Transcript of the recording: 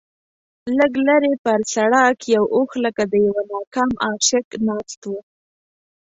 لږ لرې پر سړک یو اوښ لکه د یوه ناکام عاشق ناست و.